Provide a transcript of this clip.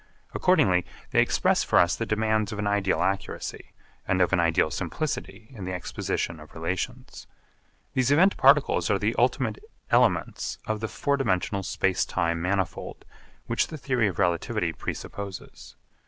Accordingly they express for us the demands of an ideal accuracy, and of an ideal simplicity in the exposition of relations. These event particles are the ultimate elements of the four dimensional space time manifold which the theory of relativity presupposes.